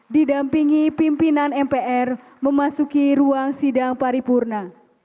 didampingi pimpinan mpr memasuki ruang sidang paripurna